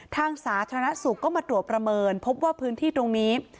สาธารณสุขก็มาตรวจประเมินพบว่าพื้นที่ตรงนี้